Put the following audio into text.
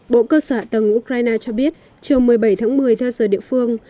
bộ cơ sở tầng ukraine cho biết chiều một mươi bảy tháng một mươi theo sở địa phương